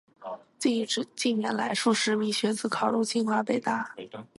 近年来，数十名学子考入清华、北大